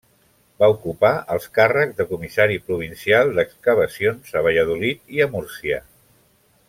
Va ocupar els càrrecs de Comissari Provincial d'Excavacions a Valladolid i a Múrcia.